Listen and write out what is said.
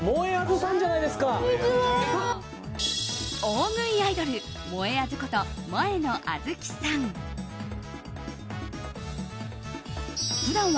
大食いアイドルもえあずこと、もえのあずきさん。